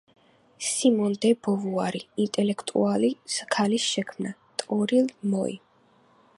სიმონ დე ბოვუარი: ინტელექტუალი ქალის შექმნა — ტორილ მოი